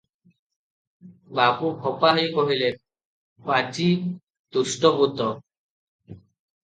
ବାବୁ ଖପା ହୋଇ କହିଲେ, “ପାଜି, ଦୁଷ୍ଟ, ଭୂତ ।